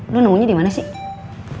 lu nemunya dimana sih